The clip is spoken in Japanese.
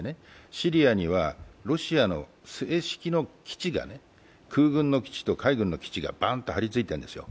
シリアにはロシアの正式の基地が空軍の基地と海軍の基地がバーンと張りついてるんですよ。